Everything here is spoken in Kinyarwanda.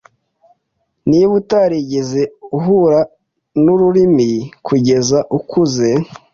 Niba utarigeze uhura nururimi kugeza ukuze,